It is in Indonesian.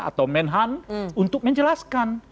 atau menhan untuk menjelaskan